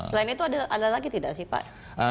selain itu ada lagi tidak sih pak